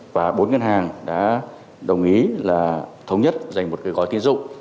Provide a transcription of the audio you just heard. và bốn ngân hàng đã đồng ý là thống nhất dành một gói tín dụng